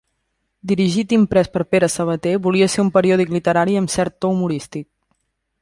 Dirigit i imprès per Pere Sabater, volia ser un periòdic literari amb cert to humorístic.